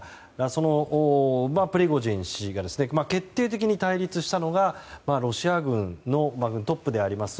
そのプリゴジン氏が決定的に対立したのがロシア軍のトップであります